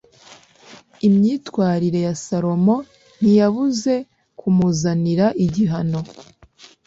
imyitwarire ya salomo ntiyabuze kumuzanira igihano